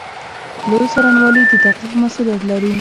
لوی څارنوالي د تحقیق مسوولیت لري